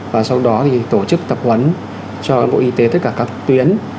và sau đó thì tổ chức tập huấn cho bộ y tế tất cả các tuyến